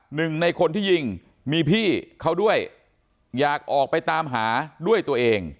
หนึ่งในคนที่ยิงมีพี่เขาด้วยอยากออกไปตามหาด้วยตัวเอง